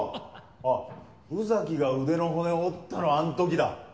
あ宇崎が腕の骨折ったのあん時だ。